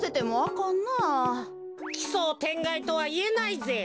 奇想天外とはいえないぜ。